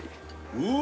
うわ